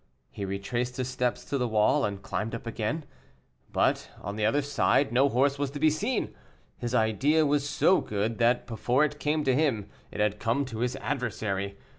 He retraced his steps to the wall and climbed up again; but on the other side no horse was to be seen; his idea was so good, that before it came to him it had come to his adversary.